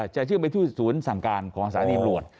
จะเชื่อมไปที่ศูนย์สำการของสายรีมรวด